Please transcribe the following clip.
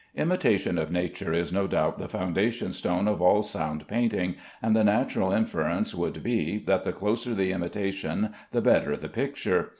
Imitation of nature is no doubt the foundation stone of all sound painting, and the natural inference would be, that the closer the imitation the better the picture.